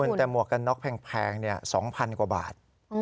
ไม่คุณแต่หมวกกันน๊อกแพงนี่๒พันกว่าบาท